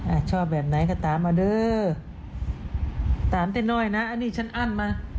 อ่ะชอบแบบไหนก็ตามมาเด้อตามแต่น้อยนะอันนี้ฉันอั้นมา